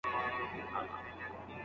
هلک باید رښتیا پټ نه کړي.